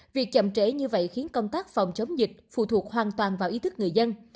việc chậm trễ như vậy khiến công tác phòng chống dịch phụ thuộc hoàn toàn vào ý thức người dân